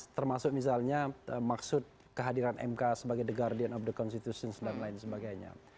termasuk misalnya maksud kehadiran mk sebagai the guardian of the constitutions dan lain sebagainya